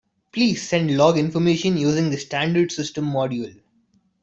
Please send log information using the standard system module.